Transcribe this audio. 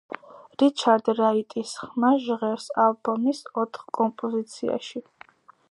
რიჩარდ რაიტის ხმა ჟღერს ალბომის ოთხ კომპოზიციაში.